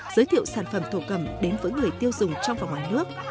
giới thiệu sản phẩm thổ cầm đến với người tiêu dùng trong và ngoài nước